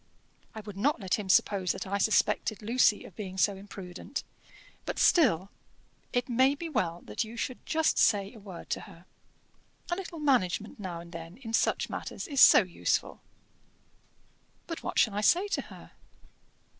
I would not let him suppose that I suspected Lucy of being so imprudent. But still, it may be well that you should just say a word to her. A little management now and then, in such matters, is so useful." "But what shall I say to her?"